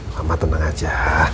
mama tenang aja